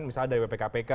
misalnya dari wpkpk